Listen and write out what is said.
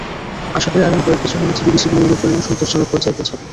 আশা করি, আগামী কয়েক বছরের মধ্যে বিদেশি বিনিয়োগের পরিমাণ সন্তোষজনক পর্যায়ে পৌঁছাবে।